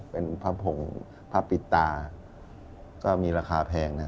เป็นพระผงพระปิดตาก็มีราคาแพงนะฮะ